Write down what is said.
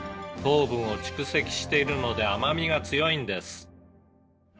「糖分を蓄積しているので甘みが強いんです」